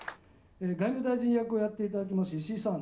外務大臣役をやって頂きます石井さん。